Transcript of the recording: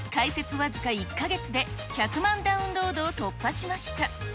僅か１か月で１００万ダウンロードを突破しました。